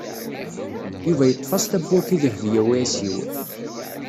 Yuba yeḍḍef-as tawwurt i Dehbiya u Ɛisiw.